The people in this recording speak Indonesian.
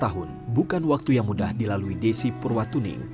dua puluh tahun bukan waktu yang mudah dilalui desi purwatuning